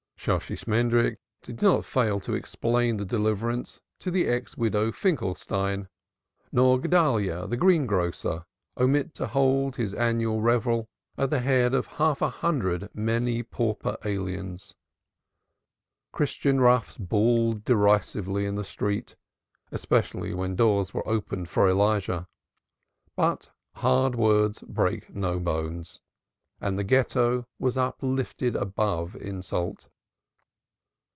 Shosshi Shmendrik did not fail to explain the deliverance to the ex widow Finkelstein, nor Guedalyah, the greengrocer, omit to hold his annual revel at the head of half a hundred merry "pauper aliens." Christian roughs bawled derisively in the street, especially when doors were opened for Elijah; but hard words break no bones, and the Ghetto was uplifted above insult.